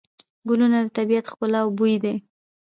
ګلونه د طبیعت ښکلا او بوی دی.